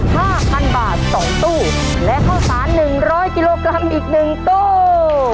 ห้าพันบาทสองตู้และข้าวสารหนึ่งร้อยกิโลกรัมอีกหนึ่งตู้